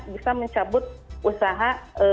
bisa mencabut usaha